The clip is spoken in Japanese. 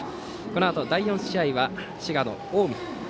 このあと第４試合は滋賀の近江